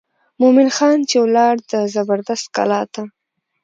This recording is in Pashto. مومن خان چې ولاړ د زبردست کلا ته.